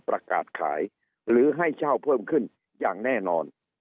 ประกาศขายหรือให้เช่าเพิ่มขึ้นอย่างแน่นอน